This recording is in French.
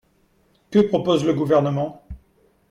Que propose le Gouvernement?